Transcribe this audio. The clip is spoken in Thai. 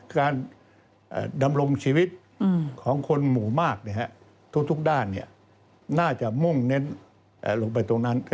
การดำรงชีวิตของคนหมู่มากทุกด้านน่าจะมุ่งเน้นลงไปตรงนั้น